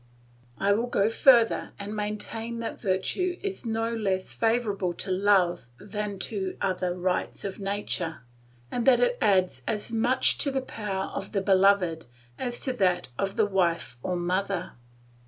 I will go further and maintain that virtue is no less favourable to love than to other rights of nature, and that it adds as much to the power of the beloved as to that of the wife or mother.